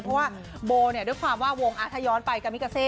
เพราะว่าโบเนี่ยด้วยความว่าวงถ้าย้อนไปกามิกาเซ